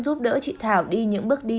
giúp đỡ chị thảo đi những bước đi